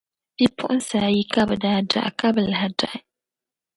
Bipuɣiŋsi ayi ka bɛ daa dɔɣi ka bi lahi dɔɣi.